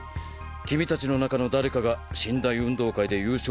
君たちの中の誰かが神・大運動会で優勝すればいい。